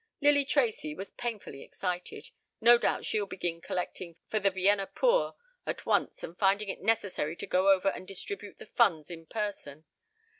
Lily Tracy was painfully excited. No doubt she'll begin collecting for the Vienna poor at once and finding it necessary to go over and distribute the funds in person.